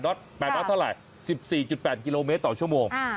็อต๘น็อตเท่าไหร่๑๔๘กิโลเมตรต่อชั่วโมง